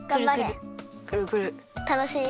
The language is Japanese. たのしい？